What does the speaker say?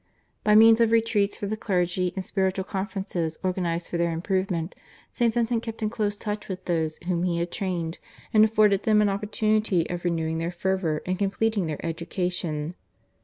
By means of retreats for the clergy, and spiritual conferences organised for their improvement St. Vincent kept in close touch with those whom he had trained, and afforded them an opportunity of renewing their fervour and completing their education.